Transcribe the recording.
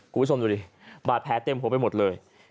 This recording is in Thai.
กูวิสมดูดิบาดแพ้เต็มหัวไปหมดเลย